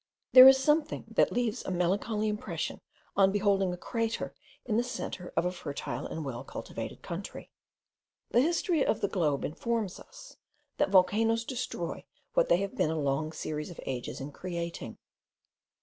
There is also something that leaves a melancholy impression on beholding a crater in the centre of a fertile and well cultivated country. The history of the globe informs us, that volcanoes destroy what they have been a long series of ages in creating.